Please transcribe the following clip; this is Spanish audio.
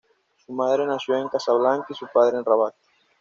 Su madre nació en Casablanca y su padre en Rabat.